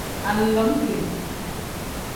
Anidomiti.